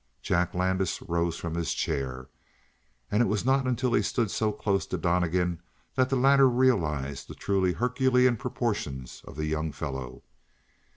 Jack Landis rose from his chair, and it was not until he stood so close to Donnegan that the latter realized the truly Herculean proportions of the young fellow.